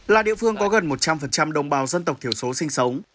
là địa phương có gần một trăm linh đồng bào dân tộc thiểu số sinh sống